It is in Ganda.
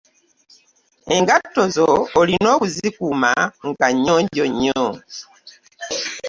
Engatto zo olina okuzikuuma nga nnyonjo nnyo.